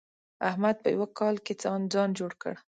احمد په يوه کال کې ځان جوړ کړ.